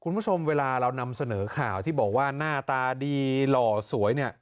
คุณผู้ชมเวลาเรานำเสนอข่าวที่บอกว่าหน้าตาดีหล่อสวยเนี่ย